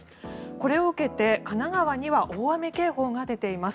これを受けて神奈川には大雨警報が出ています。